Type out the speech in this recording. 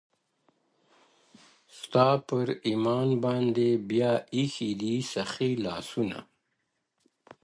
ستا پر ايمان باندې بيا ايښي دي سخي لاسونه;